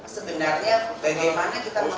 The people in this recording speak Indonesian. sebenarnya bagaimana kita memperkuat